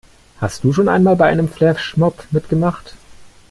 Hast du schon einmal bei einem Flashmob mitgemacht?